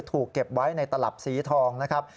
ถูกเก็บไว้ในตลับสีทองนะครับ